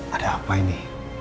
ada apa ini